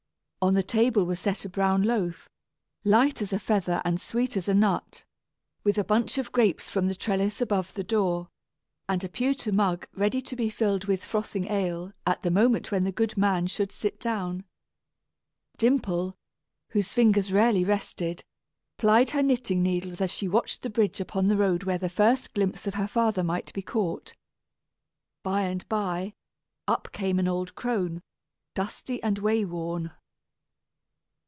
On the table was set a brown loaf, light as a feather and sweet as a nut, with a bunch of grapes from the trellis above the door, and a pewter mug ready to be filled with frothing ale at the moment when the good man should sit down. Dimple, whose fingers rarely rested, plied her knitting needles as she watched the bridge upon the road where the first glimpse of her father might be caught. By and by, up came an old crone, dusty and way worn.